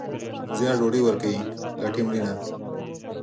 زیار ډوډۍ ورکوي، لټي مړینه.